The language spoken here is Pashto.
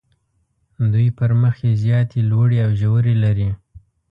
دوی پر مخ یې زیاتې لوړې او ژورې لري.